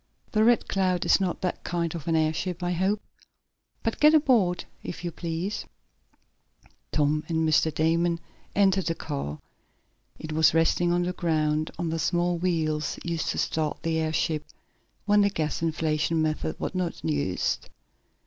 "The Red Cloud is not that kind of an airship, I hope. But get aboard, if you please." Tom and Mr. Damon entered the car. It was resting on the ground, on the small wheels used to start the airship when the gas inflation method was not used.